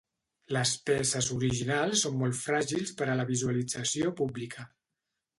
Les peces originals són molt fràgils per a la visualització pública.